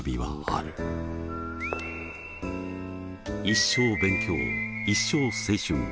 「一生勉強一生青春」。